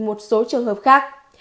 một số trường hợp khác